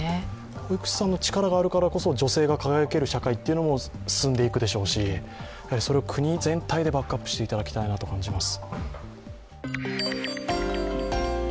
保育士さんの力があるからこそ、女性が輝ける社会も進んでいくでしょうしそれを国全体でバックアップしていただきたいなと感じます。